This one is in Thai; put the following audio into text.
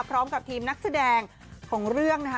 พร้อมกับทีมนักแสดงของเรื่องนะคะ